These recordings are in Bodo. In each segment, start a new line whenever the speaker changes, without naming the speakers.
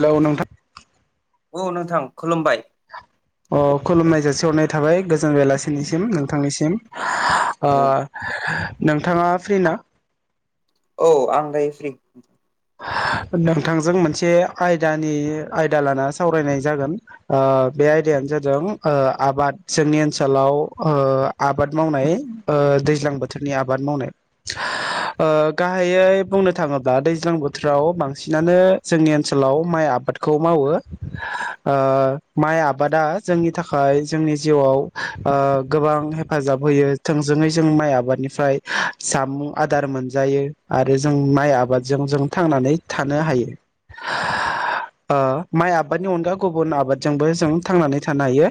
हेल' नोंथां
औ नोंथां खुलुमबाय
अ खुलुमनाय जासिहरनाय थाबाय गोजोन बेलासिनिसिम नोंथांनिसिम। ओ नोंथाङा फ्रि ना
औ आं दायो फ्रि
नोंथांजों मोनसे आयदानि आयदा लाना सावरायनाय जागोन ओ बे आयदायानो जादों ओ आबाद जोंनि ओनसोलाव ओ आबाद मावनाय ओ दै दैज्लां बोथोरनि आबाद मावनाय। ओ गाहायै बुंनो थाङोब्ला दै ज्लां बोथोराव बांसिनानो जोंनि ओनसोलाव माइ आबादखौ मावो। ओ माइ आबादा जोंनि थाखाय जोंनि जिउआव ओ गोबां हे फाजाब होयो थोंजोङै जों माइ आबादनिफ्राय जामुं आदार मोनजायो आरो जों माइ आबाद जों जों थांनानै थानो हायो। ओ माइ आबादनि अनगा गुबुन आबादजोंबो जों थांनानै थानो हायो।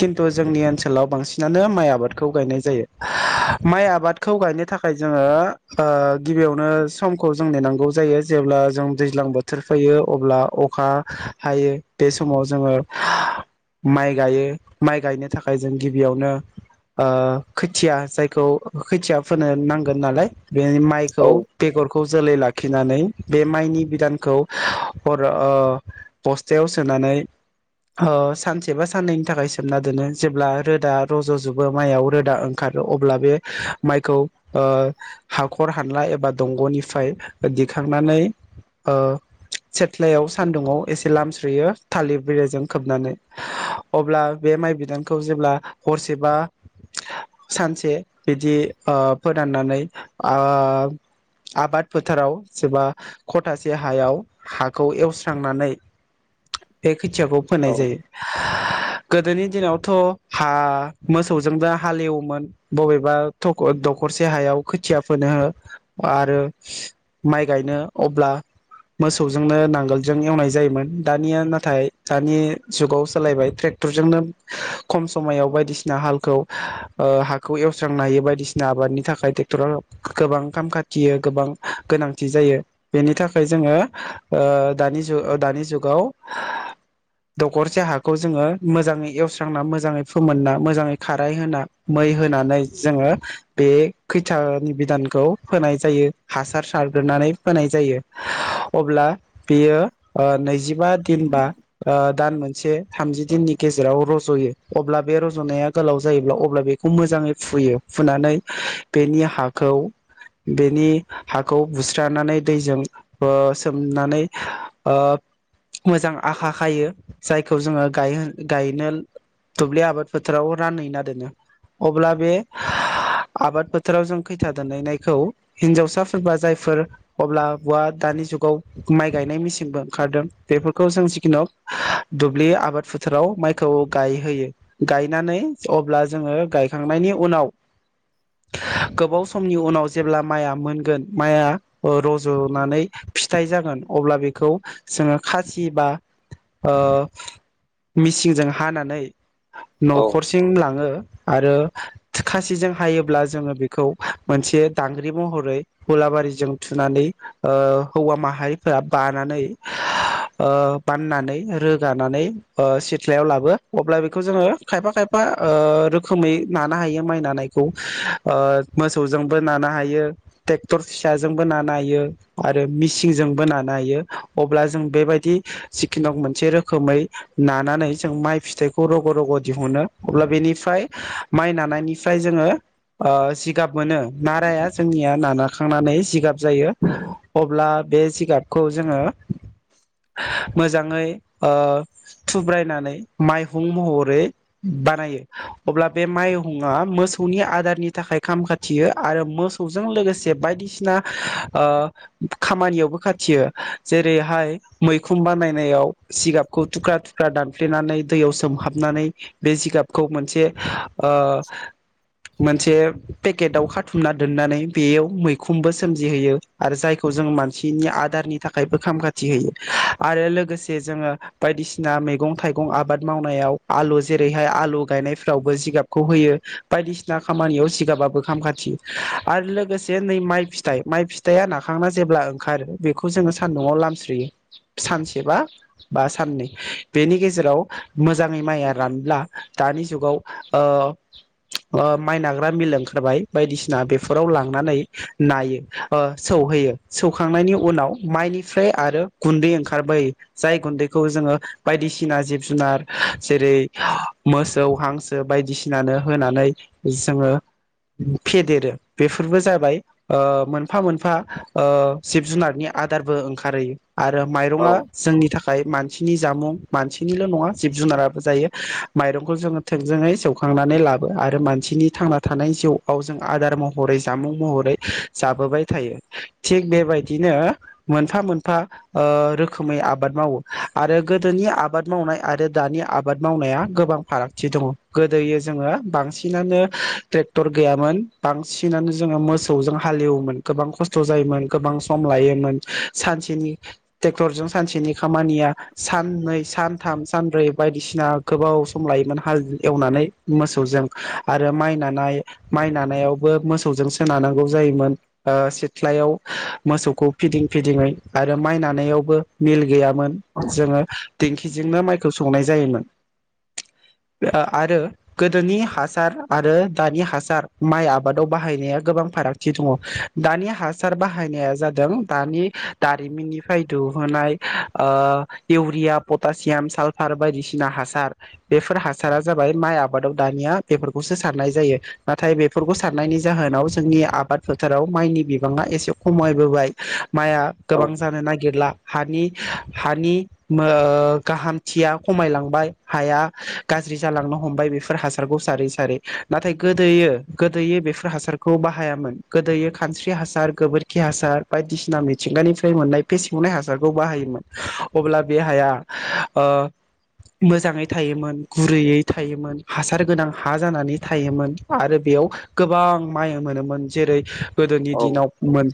खिन्थु जोंनि ओनसोलाव बांसिनानो माइ आबादखौ गायनाय जायो। माइ आबादखौ गायनो थाखाय जोङो ओ गिबियावनो समखौ जों नेनांगौ जायो। जेब्ला जों दैज्लां बोथोर फैयो अब्ला अखा हायो। बे समाव जोङो माइ गायो माइ गायनो थाखाय जों गिबियावनो ओ खोथिया जायखौ खोथिया फोनो नांगोन नालाय बे माइखौ
औ
खौ जोलै लाखिनानै बे माइनि बिदानखौ हर ओ बस्थायाव सोनानै ओ सानसे बा साननैनि थाखाय सोमना दोनो जेब्ला रोदा रज'जोबो माइयाव रोदा ओंखारो अब्ला बे माइखौ ओ हाखर हानला एबा दंग'निफ्राय दिखांनानै ओ सेथ्लायाव सान्दुुङाव एसे लामस्रोयो थालिर बिलाइजों खोबनानै अब्ला बे माइ बिदानखौ जेब्ला हरसेबा सानसे बिदि ओ फोराननानै ओ आबाद फोथाराव सोरबा खथासे हायाव हाखौ एवस्रांनानै बे खोथियाखौ फोनाय
औ
जायो। गोदोनि दिनावथ' हा मोसौजोंबो हालेवोमोन बबेबा थख दखरसे हायाव खोथिया फोनो आरो माइ गायनो अब्ला मोसौजोंनो नांगोलजों एवनाय जायोमोन। दानिया नाथाय दानि जुगाव सोलायबाय ट्रेक्टरजोंनो खम समाव बायदिसिना हालखौ ओ हाखौ एवस्रांनो हायो बायदिसिना आबादनि थाखाय ट्रेक्टरा गोबां खाम खा थियो गोबां गोनांथि जायो। बेनि थाखाय जोङो ओ दानि जु दानि जुगाव दखरसे हाखौ जोङो मोजाङै एवस्रांना मोजाङै फोमोनना मोजाङै खाराय होना मै होनानै जोङो बे खैथियानि बिदानखौ फोनाय जायो हासार सारग्रोनानै फोनाय जायो। अब्ला बेयो ओ नैजिबा दिन बा ओ दान मोनसे थामजि दिननि गेजेराव रज'यो अब्ला बे रज'नाया गोलाव जायोब्ला अब्ला बेखौ मोजाङै फुयो फुनानै बेनि हाखौ बेनि हाखौ बुस्रानानै दैजों ओ सोमनानै ओ मोजां आखा खायो जायखौ जोङो गायहो गायनो दुब्लि आबाद फोथोराव रानहैना दोनो। अब्ला बे आबाद फोथोराव जों खैथा दोनहैनायखौ हिनजावसाफोरबा जायफोर अब्ला हवा दानि जुगाव माइ गायनाय मेसिनबो ओंखारदों बेफोरखौ जों जिखुनु दुब्लि आबाद फोथाराव माइखौ गायहोयो गायनानै अब्ला जोङो गायखांनायनि उनाव गोबाव समनि उनाव जेब्ला माइया मोनगोन माइया रज'नानै फिथाइ जागोन अब्ला बेखौ जोङो खासि बा ओ मिसिंजों हानानै
औ
न'खरसिम लाङो आरो खासिजों हायोब्ला जोङो बेखौ मोनसे दांग्रि महरै हुलाबारिजों थुनानै ओ हौवा माहारिफोरा बानानै ओ बाननानै रोगानानै ओ सिथ्लायाव लाबो। अब्ला बेखौ जोङो खायफा खायफा ओ रोखोमै नानो हायो माइ नानायखौ ओ मोसौजोंबो नानो हायो, ट्रेक्टर फिसाजोंबो नानो हायो आरो मिसिनजोंबो नानो हायो। अब्ला जों बेबायदि जिखिनो हग मोनसे रोखोमै नानानै जों माइ फिथाइखौ रग' रग' दिहुनो अब्ला बेनिफ्राय माइ नानायनिफ्राय जोङो ओ जिगाब मोनो नाराया जोंनिया नानाखांनानै जिगाब जायो। अब्ला बे जिगाबखौ जोङो मोजाङै ओ थुब्रायनानै माइहुं महरै बानायो अब्ला बे माइहुङा मोसौनि आदारनि थाखाय खाम खाथियो आरो मोसौजों लोगोसे बायदिसिना ओ खामानियावबो खाथियो। जेरैहाय मैखुन बानायनायाव जिगाबखौ थुख्रा थुख्रा दानफ्लेनानै दैयाव सोमहाबनानै बे जिगाबखौ मोनसे ओ मोनसे पेकेटाव खा थुमना दोननानै बेयाव मैखुमबो सोमजिहोयो आरो जायखौ जों मानसिनि आदारनि थाखायबो खाम खाथि होयो आरो लोगोसे जोङो बायदिसिना मैगं थाइगं आबाद मावनायाव आलु जेरैहाय आलु गायनायफ्रावबो जिगाबखौ होयो बायदिसिना खामानियाव जिगाबाबो खाम खाथियो आरो लोगोसे नै माइ फिथाइ माइ फिथाइया नाखांना जेब्ला ओंखारो बेखौ जोङो सान्दुङाव लामस्रोयो सानसेबा बा साननै बेनि गेजेराव मोजाङै माइया रानब्ला दानि जुगाव ओ ओ माइ नाग्रा मिल ओंखारबाय बायदिसि ना बेफोराव लांनानै नायो ओ सौहैयो। सौखांनायनि उनाव माइनिफ्राय आरो गुन्दै ओंखारबोयो जाय गुन्दैखौ जोङो बायदिसिना जिब जुनार जेरै मोसौ हांसो बायदिसिनानो होनानै जोङो फेदेरो बेफोरबो जाबाय ओ मोनफा मोनफा ओ जिब जुनारनि आदारबो ओंखारहैयो आरो माइरङा
औ
जोंनि था खाय मानसिनि जामुं। मानसिनिल' नङा जिब जुनाराबो जायो माइरंखौ जोङो थोंजोङै सौखांनानै लाबो आरो मानसिनि थांना थानाय जिउ आव जों आदार महरै जामुं महरै जाबोबाय थायो। थिग बेबायदिनो मोनफा मोनफा ओ रोखोमै आबाद मावो आरो गोदोनि आबाद मावनाय आरो दानि आबाद मावनाया गोबां फारागथि दङ गोदो जोङो बांसिनानो ट्रेक्टर गैयामोन बांसिनानो जोङो मोसौजों हालेवोमोन गोबां खस्थ' जायोमोन गोबां सम लायोमोन सानसेनि ट्रेक्टरजों सानसेनि खामानिया साननै सानथाम सानब्रै बायदिसिना गोबाव सम लायोमोन हाल एवनानै मोसौजों आरो माइ नानाय माइ नानायावबो मोसौजों सोनानांगौ जायोमोन। ओ सिथ्लायाव मोसौखौ फिदिं फिदिङै आरो माइ नानायावबो मिल गैया मोन जोङो दिंखिजोंनो माइखौ सौनाय जायोमोन। ओ आरो गोदोनि हासार आरो दानि हा सार माइ आबादाव बाहायनाया गोबां फारागथि दङ। दानि हासार बाहायनाया जादों दानि दारिमिननिफ्राय दिुहुनाय ओ इउरिया पटासियाम सालफार बायदिसिना हासार बेफोर हासारा जाबाय माइ आबादाव दानिया बेफोरखौसो सारनाय जायो। नाथाय बेफोरखौ सारनायनि जाहोनाव जोंनि आबाद फोथाराव माइनि बिबाङा एसे खमायबोबाय। माइआ
औ
गोबां जानो नागिरला हानि हानि ओ गाहामथिया खमायलांबाय हाया गाज्रि जालांनो हमबाय बेफोर हासारखौ सारै सारै नाथाय गोदो गोदोयै बेफोर हासारखौ बाहायामोन गोदोयो खानस्रि हासार गोबोरखि हासार बायदिसिना मिथिंगानिफ्राय मोननाय फेसेवनाय हासारखौ बाहायोमोन अब्ला बे हाया ओ मोजाङै थायोमोन गुरैयै थायोमोन हासार गोनां हा जानानै थायोमोन। आरो बेयाव गोबां माइ मोनोमोन जेरै गोदोनि दिनाव मोन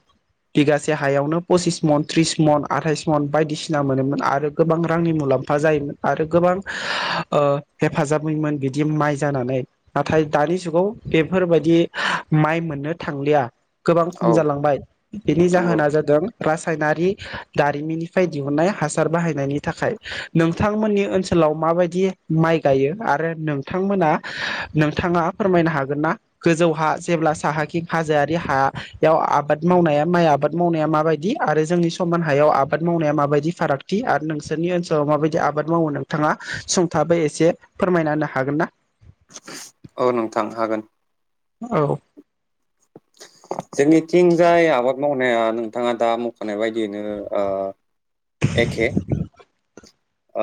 बिगासे हायावनो पसिस मन त्रिस मन आथाइस मन बायदिसिना मोनोमोन आरो गोबां रांनि मुलाम्फा जायोमोन आरो गोबां ओ हेफाजाब होयोमोन बिदि माइ जानानै नाथाय दानि जु गाव बेफोरबायदि माइ मोननो थांलिया। गोबां
औ
खम जालांबाय बेनि
नंगौ
जाहोना जादों रासायनारि दारिमिननिफ्राय दिहुनन्नाय हासार बाहायनायनि थाखाय नोंथांमोननि ओनसोलाव माबायदि माइ गायो आरो नोंथांमोना नोंथाङा फोरमायनो हागोन ना गोजौ हा जेब्ला साहाखिं हाजोआरि हायाव बेयाव आबाद मावनाया माइ आबाद मावनाया माबायदि आरो जोंनि समान हायाव आबाद मावनाया माबायदि फारागथि आरो नोंसोरनि ओनसोलाव माबायदि आबाद मावो नोंथाङा सुंथाबै एसे फोरमायना होनो हागोन ना
औ नोंथां हागोन
औ
जोंनिथिं जाय आबाद मावनाय नाया नोंथाङा दा मखानाय बायदियैनो ओ एखे ओ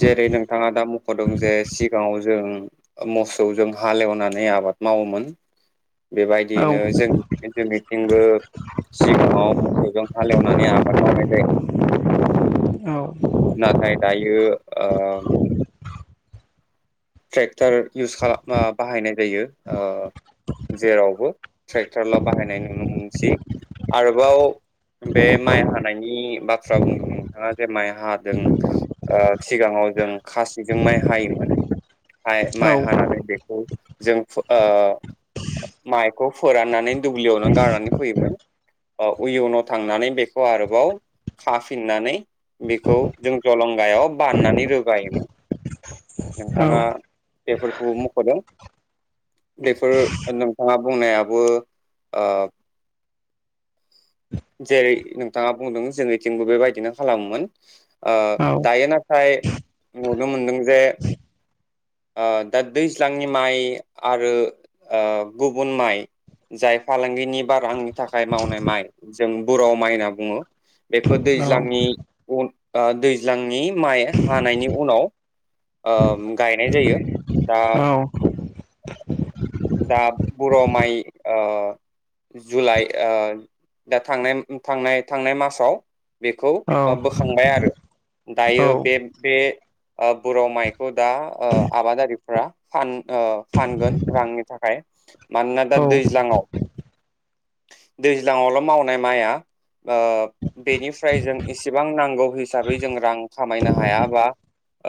जेरै नोंथाङा दा मख'दों जे सिगाङाव जों मोसौजों हालेवनानै आबाद मावोमोन।
औ
बेबायदियैनो जों जोंनिथिंबो सिगाङाव मोसौजों हालेवनानै आबाद मावनाय जायोमोन।
औ
नाथाय दायो ओ ट्रेक टार इउस खालाम बाहायनाय जायो ओ जेरावबो ट्रेक्टरल' बाहायनाय नुनो मोनसै। आरोबाव बे माइ हानायनि बाथ्रा बुंदों नोंथाङा जे माइ हादों ओ सिगाङाव जों खासिजों माइ हायोमोन। हाइ
औ
माइ हानानै बेखौ जों फु-ओ माइखौ फोराननानै दुब्लियाव नों गारनानै फैयोमोन। उयुनाव थांनानै बेखौ आरोबाव खाफिननानै बेखौ जों जलंगायाव बाननानै रोगायोमोन। नोंथाङा
औ
बेफोरखौ मख'दों बेफोर नोंथाङा बुंनायाबो ओ जेरै नोंथाङा बुंदों जोंनिथिंबो बेबायदिनो खालामोमोन। ओ
औ
दायो ना थाय नुनो मोनदों जे ओ दा दैज्लांनि माइ आरो ओ गुबुन माइ जाय फालांगिनि बारानि थाखाय मावनाय माइ जों बुराव माइ होनना बुङो। बेखौ
औ
दैज्लांनि उन दैज्लांनि माइ हानायनि उनाव ओ गायनाय जायो। दा
औ
दा बर' माइ ओ जुलाइ ओ दा थांनाय थांनाय थांनाय मासाव बेखौ ओ
औ
बोखांबाय आरो दायो बे बे ओ बर' माइ बो दा आबादारि ब्रा फान फानगोन रांनि थाखाय मानोना दा दैज्लाङाव दैज्लाङावल' मावनाय माइया ओ बेनिफ्राय जों इसेबां नांगौ हिसाबै जों रां खामायनो हाया बा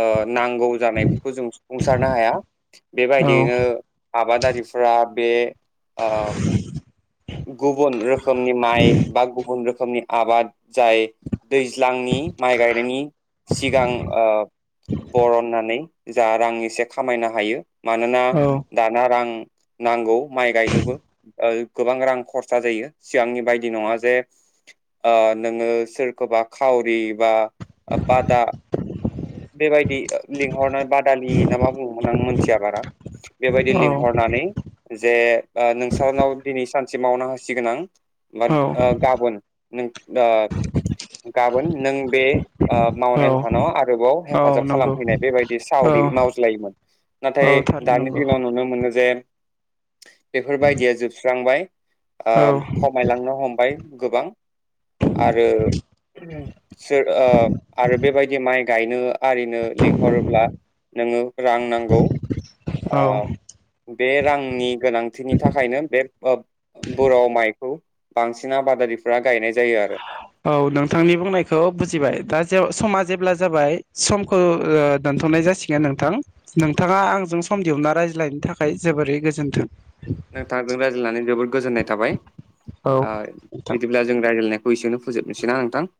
ओ नांगौ जानायफोरखौ जों सफुंसारनो हाया बेबाय बिनो आबादारिफ्रा बे ओ गुबुन रोख रोखोमनि माइ बा गुबुन रोखोमनि आबाद जाय दैज्लांनि माइ गायनायनि सिगां ओ बरननानै जा रां एसे खामायनो हायो मानोना दाना रां नांगौ माइ गायनोबो गोबां रां खरसा जायो सिगांनि बायदि नङा जे ओ नोङो सोरखौबा खावरि बा बादा बेबायदि लिंहरनाय बादालि ना मा बुङोमोन आं मिथिया बारा बेबायदि
औ
लिंहरनानै जे ओ नोंस्रानाव दिनै सानसे मावना होसिगोन आं वाद ओ गाबोन नों ओ गाबोन नों बे ओ
औ
मावनाय लाहानाव आरोबाव
औ
हेफाजाब
नंगौ
खालामफैनाय बेबायदि
औ
सावरि मावज्लायोमोन नाथाय
औ थारै
दानि
नंगौ
दिनाव नुनो मोनो जे बेफोर बायदिया जोब स्रांबाय ओ
औ
खमायलांनो हमबाय। गोबां आरो सोर ओ आरो बेबायदि माइ गायनो आरिनो लिंहरोब्ला नोङो रां नांगौ ओ
औ
बे रांनि गोनांथिनि थाखायनो बे ओ बर'आव माइखौ बांसिन आबादारिफोरा गायनायखौ
औ नोंथांनि बुंनायखौ बुजिबाय दा जे समा जेब्ला जाबाय समखौ ओ दोनथ'नाय जासिगोन नोंथां नोंथाङा आंजों सम दिहुनना रायज्लायनायनि थाखाय जोबोरै गोजोन्थों।
नोंथांजों रायज्लायनानै जोबोद गोजोननाय थाबाय
औ
ओ
नोंथां।
बिदिब्ला जों रायज्लायनाय एसेयावनो फोजोबनोसै ना नोंथां।